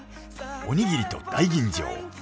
おにぎりと大吟醸。